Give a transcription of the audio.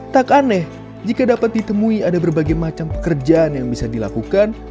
tak aneh jika dapat ditemui ada berbagai macam pekerjaan yang bisa dilakukan